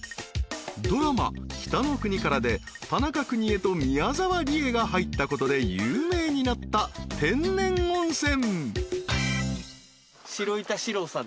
［ドラマ『北の国から』で田中邦衛と宮沢りえが入ったことで有名になった天然温泉］